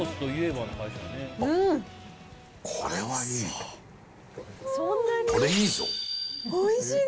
これはいい。